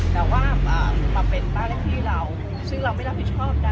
แต่ว่ามาเป็นบ้านเลขที่เราซึ่งเราไม่รับผิดชอบนะ